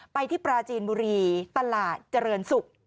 ไปที่ปราจีนบุรีตลาดเจริญศุกร์